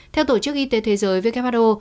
theo tổ chức y tế thế giới who